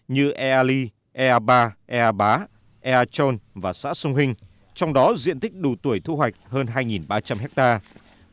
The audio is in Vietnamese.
như eali ea ba ea bá ea trôn và xã sông hình trong đó diện tích đủ tuổi thu hoạch hơn hai ba trăm linh hectare